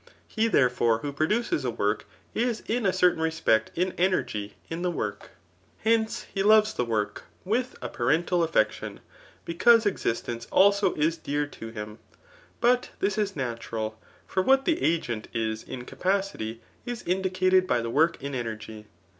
He, therefore, who produces a work, is in a certain respect in energy []in the work]. Hence, he loves the work with a parental affection, because existence also is dear to him« But this is natural ; for what the agent is in capacity, is indicated by the work in energy.